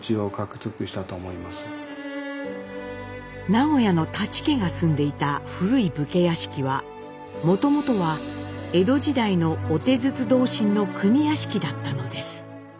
名古屋の舘家が住んでいた古い武家屋敷はもともとは江戸時代の御手筒同心の組屋敷だったのです。